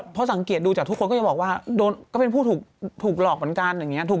เพราะสังเกตดูจากทุกคนก็จะบอกว่าก็เป็นผู้ถูกหลอกเหมือนกันอย่างนี้